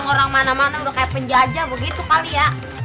orang mana mana udah kayak penjajah begitu kali ya